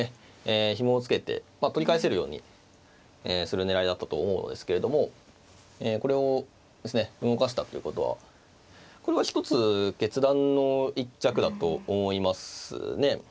ひもを付けて取り返せるようにする狙いだったと思うのですけれどもこれをですね動かしたということはこれは一つ決断の一着だと思いますね。